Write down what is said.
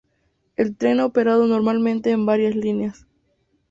El tren ha operado normalmente en varias líneas.